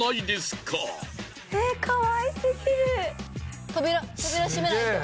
かわいすぎる。